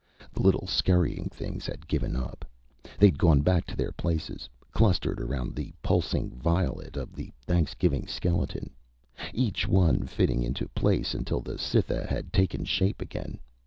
The little scurrying things had given up; they'd gone back to their places, clustered around the pulsing violet of the Thanksgiving skeleton, each one fitting into place until the Cytha had taken shape again.